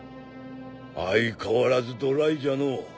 相変わらずドライじゃのう。